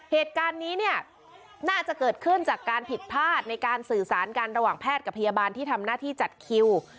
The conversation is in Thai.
เหตุการณ์นี้เนี่ยน่าจะเกิดขึ้นจากการผิดพลาดในการสื่อสารกันระหว่างแพทย์กับพยาบาลที่ทำหน้าที่จัดคิว